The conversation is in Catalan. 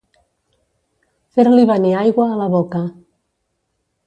Fer-li venir aigua a la boca.